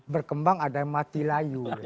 berkembang ada yang mati layu